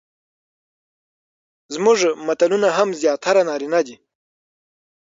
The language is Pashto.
زموږ متلونه هم زياتره نارينه دي،